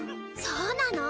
そうなの？